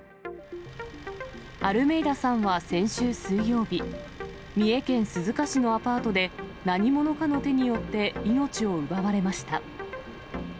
アルメイダさんは先週水曜日、三重県鈴鹿市のアパートで、何者かの手によって命を奪われました。